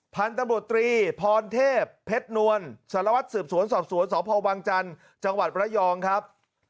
พันธุ์ตำรวจตรีพรเทพเพชรนวลสารวัตรสืบสวนสอบสวนสพวังจันทร์จังหวัดระยองครับ